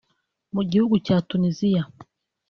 Mu gihugu cya Tunisia